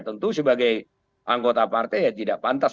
tentu sebagai anggota partai ya tidak pantas